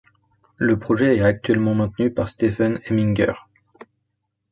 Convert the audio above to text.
Le projet est actuellement maintenu par Stephen Hemminger.